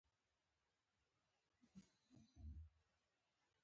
میس فرګوسن: 'pan encore' چې په دې مانا چې لا نه دي.